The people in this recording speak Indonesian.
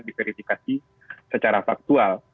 diverifikasi secara faktual